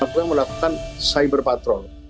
kita melakukan cyber patrol